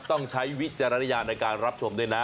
ต้องใช้วิจารณญาณในการรับชมด้วยนะ